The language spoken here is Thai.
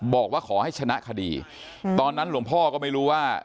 บอกว่าขอให้ชนะคดีตอนนั้นหลวงพ่อก็ไม่รู้ว่า